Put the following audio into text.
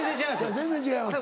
全然違います？